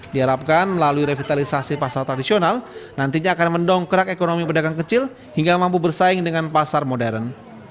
diharapkan melalui revitalisasi pasar tradisional nantinya akan mendongkrak ekonomi pedagang kecil hingga mampu bersaing dengan pasar modern